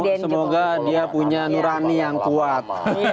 semoga dia punya nurani yang kuat